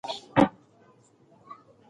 ماشومان باید خپل پام له ګډوډۍ وساتي.